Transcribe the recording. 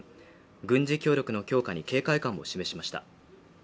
軍事協力の強化に警戒感も示しました